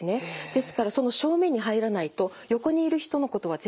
ですからその正面に入らないと横にいる人のことは全然見えないんです。